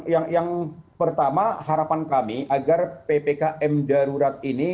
yang pertama harapan kami agar ppkm darurat ini